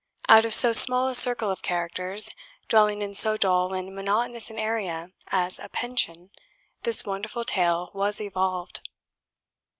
Out of so small a circle of characters, dwelling in so dull and monotonous an area as a "pension," this wonderful tale was evolved!